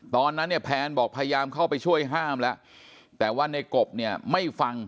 ตอนนั้นเนี่ยแพนบอกพยายามเข้าไปช่วยห้ามแล้วแต่ว่าในกบเนี่ยไม่ฟัง